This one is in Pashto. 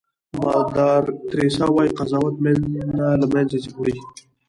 مادر تریسیا وایي قضاوت مینه له منځه وړي.